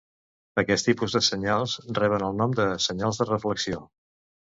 Aquest tipus de senyals reben el nom de senyals de reflexió.